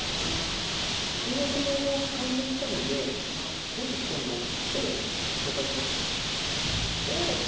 契約も完了したので後日今度大家さん紹介しますね。